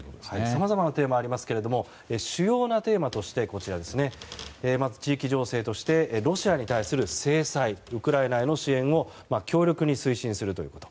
さまざまなテーマがありますが主要なテーマとしては地域情勢としてロシアに対する制裁ウクライナへの支援を強力に推進するということ。